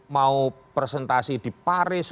mau presentasi di paris